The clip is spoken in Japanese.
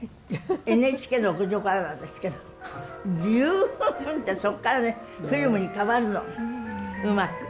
ＮＨＫの屋上からなんですけどビューンってそっからねフィルムに変わるのうまく。